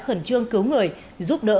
đã khẩn trương cứu người giúp đỡ